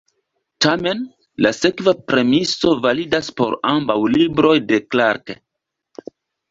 Tamen, la sekva premiso validas por ambaŭ libroj de Clarke.